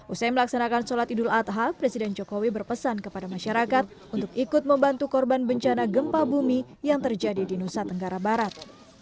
usai melaksanakan sholat idul adha presiden jokowi berpesan kepada masyarakat untuk ikut membantu korban bencana gempa bumi yang terjadi di nusa tenggara barat